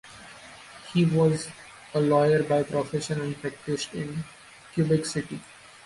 He was a lawyer by profession, and practised in Quebec City.